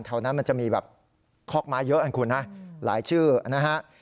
เท่านั้นมันจะมีคอกม้าเยอะกันคุณนะหลายชื่อนะฮะ